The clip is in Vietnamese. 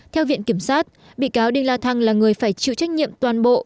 theo viện kiểm sát bị cáo đinh la thăng là người phải chịu trách nhiệm toàn bộ